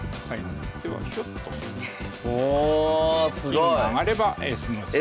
金が上がればＳの字に。